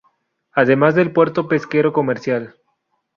Además del Puerto pesquero-comercial.